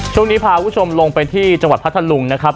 ช่วงนี้พาคุณผู้ชมลงไปที่จังหวัดพัทธลุงนะครับ